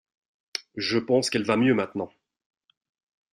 Je pense qu'elle va mieux maintenant.